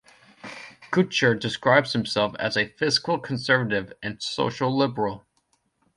Kutcher describes himself as a fiscal conservative and social liberal.